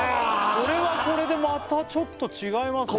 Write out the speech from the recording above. これはこれでまたちょっと違いますね